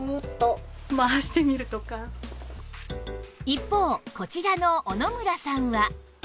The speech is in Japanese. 一方こちらの小野村さんは